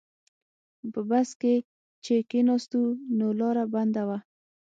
په بس کې چې کیناستو نو لاره بنده وه.